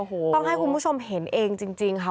โอ้โหต้องให้คุณผู้ชมเห็นเองจริงค่ะ